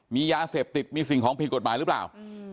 มียาเสพติดมีสิ่งของผิดกฎหมายหรือเปล่า